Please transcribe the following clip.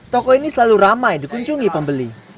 toko ini selalu ramai dikunjungi pembeli